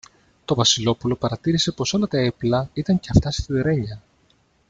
Το Βασιλόπουλο παρατήρησε πως όλα τα έπιπλα ήταν και αυτά σιδερένια